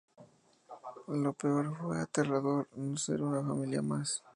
Lo peor fue aterrador no ser una familia más".